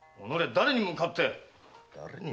誰に向かって？